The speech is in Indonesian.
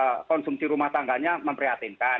satu otomatis konsumsi rumah tangganya memprihatinkan